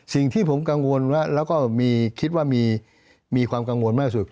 สิ่งที่ผมกังวลแล้วก็คิดว่ามีความกังวลมากสุด